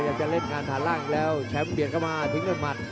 อยากจะเล่นงานขาล่างอีกแล้วแชมป์เบียดเข้ามาพิ้งด้วยมัด